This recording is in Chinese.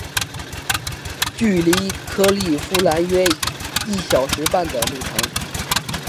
距离克利夫兰约一小时半的车程。